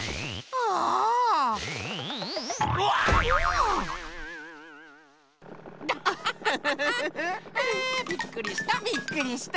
おお！びっくりした。